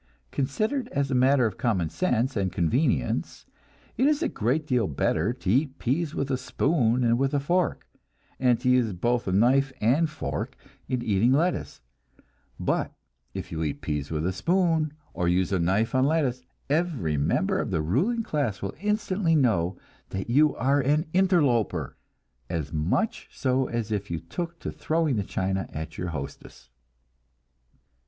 Considered as a matter of common sense and convenience, it is a great deal better to eat peas with a spoon than with a fork, and to use both a knife and fork in eating lettuce; but if you eat peas with a spoon, or use a knife on lettuce, every member of the ruling class will instantly know that you are an interloper, as much so as if you took to throwing the china at your hostess.